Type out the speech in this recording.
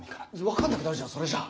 分かんなくなるじゃんそれじゃ。